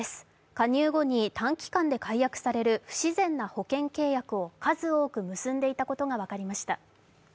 加入後に短期間で解約される不自然な保険契約を数多く結んでいたことが分かりました。